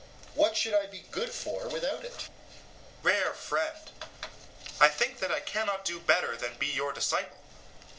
What should I be good for without it? SOCRATES: Rare friend! I think that I cannot do better than be your disciple.